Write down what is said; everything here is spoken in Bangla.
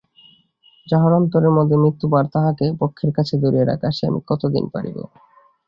যাহার অন্তরের মধ্যে মৃতভার তাহাকে বক্ষের কাছে ধরিয়া রাখা, সে আমি কতদিন পারিব।